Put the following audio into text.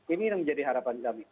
ini yang menjadi harapan kami